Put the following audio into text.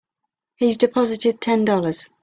He's deposited Ten Dollars.